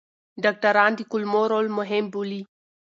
ډاکټران د کولمو رول مهم بولي.